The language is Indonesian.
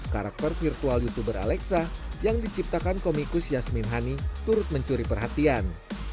karakter virtual youtuber alexa yang diciptakan komikus yasmin hani turut mencuri perhatian